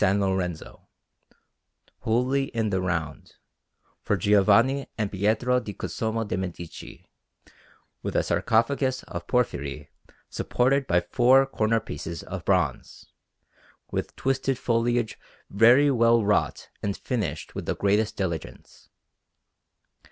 Lorenzo, wholly in the round, for Giovanni and Pietro di Cosimo de' Medici, with a sarcophagus of porphyry supported by four corner pieces of bronze, with twisted foliage very well wrought and finished with the greatest diligence.